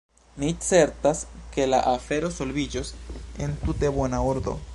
Ni certas, ke la afero solviĝos en tute bona ordo.